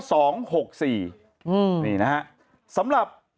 ที่นับสำหรับ